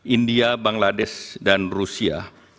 india bangladesh dan rusia